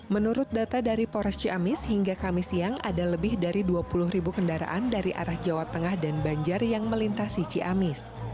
menurut data dari pores ciamis hingga kamis siang ada lebih dari dua puluh ribu kendaraan dari arah jawa tengah dan banjar yang melintasi ciamis